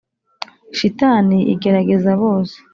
shitani igerageza bose,